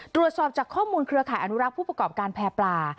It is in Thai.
ตรวจสอบจากข้อมูลเครือข่ายอนุรักษ์ผู้ประกอบการแพร่ปลา